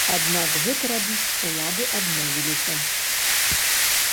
Аднак гэта рабіць улады адмовіліся.